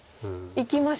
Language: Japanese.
いきました。